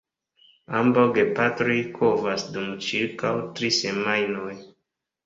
Ambaŭ gepatroj kovas dum ĉirkaŭ tri semajnoj.